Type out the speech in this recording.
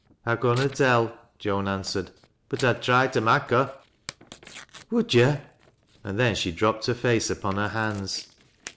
"" I conna tell," Joan answered, " but I'd try to mak' her." " Would yo'?" and then she dropped her fa^e upon hei hands.